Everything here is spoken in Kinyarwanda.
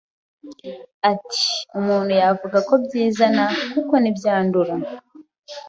Ati “Umuntu yavuga ko byizana kuko ntibyandura